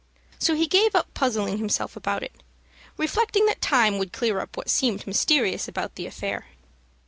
So he gave up puzzling himself about it, reflecting that time would clear up what seemed mysterious about the affair.